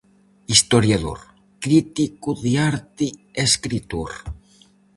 Historiador, crítico de arte e escritor.